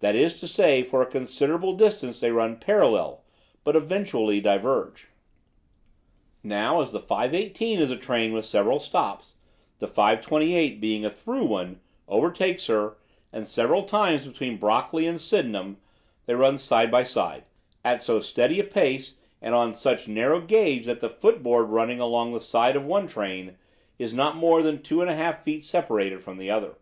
That is to say, for a considerable distance they run parallel, but eventually diverge. "Now, as the 5.18 is a train with several stops, the 5.28, being a through one, overtakes her, and several times between Brockley and Sydenham they run side by side, at so steady a pace and on such narrow gauge that the footboard running along the side of the one train is not more than two and a half feet separated from the other.